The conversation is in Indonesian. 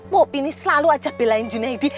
poppy ini selalu acap belain junai